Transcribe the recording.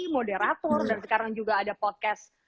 moderator dan sekarang juga ada podcast